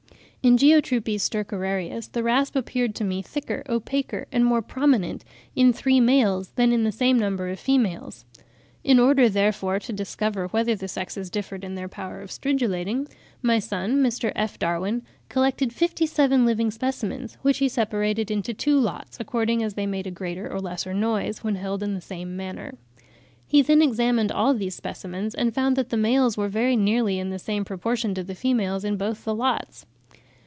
In Geotrupes stercorarius the rasp appeared to me thicker, opaquer, and more prominent in three males than in the same number of females; in order, therefore, to discover whether the sexes differed in their power of stridulating, my son, Mr. F. Darwin, collected fifty seven living specimens, which he separated into two lots, according as they made a greater or lesser noise, when held in the same manner. He then examined all these specimens, and found that the males were very nearly in the same proportion to the females in both the lots.